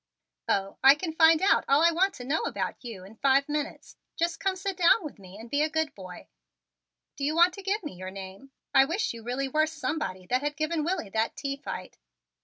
"Oh, I can find out all I want to know about you in five minutes. Just come sit down with me and be a good boy. Do you want to give me your name? I wish you really were somebody that had given Willie that tea fight."